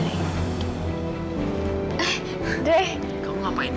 ini sebabnya dia ngelarang aku berhubungan dengan andre